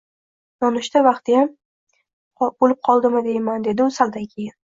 Nonushta vaqtiyam bo‘lib qoldimi deyman, — dedi u saldan keyin.